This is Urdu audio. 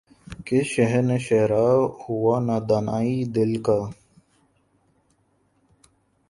کس شہر نہ شہرہ ہوا نادانئ دل کا